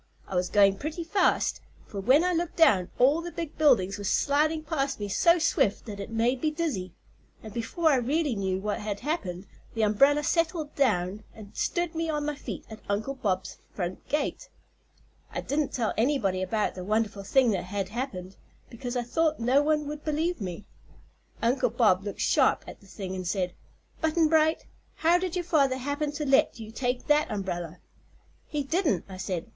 I was going pretty fast, for when I looked down, all the big buildings were sliding past me so swift that it made me dizzy, and before I really knew what had happened the umbrella settled down and stood me on my feet at Uncle Bob's front gate. "I didn't tell anybody about the wonderful thing that had happened, 'cause I thought no one would believe me. Uncle Bob looked sharp at the thing an' said: 'Button Bright, how did your father happen to let you take that umbrella?' 'He didn't,' I said.